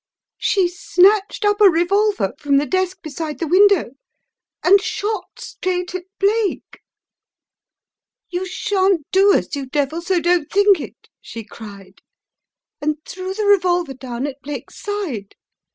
"A Tale Unfolded? 9 303 She snatched up a revolver from the desk beside the window and shot straight at Blake. " *You shan't do us, you devil, so don't you think it!* she cried, and threw the revolver down at Blake's side.